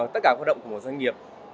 tất cả hoạt động của một doanh nghiệp